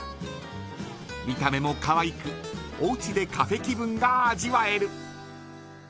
見た目もかわいくおうちでカフェ気分が味わえる。